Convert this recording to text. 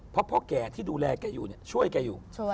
เพราะพ่อแก่ที่ดูแลแกอยู่ช่วยแกอยู่